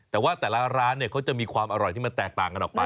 แต่ว่าแต่ละร้านเนี่ยเขาจะมีความอร่อยที่มันแตกต่างกันออกไป